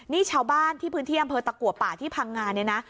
นี่ชาวบ้านที่พื้นที่อำเภอตะกัวป่าที่พังงานเนี่ยนะ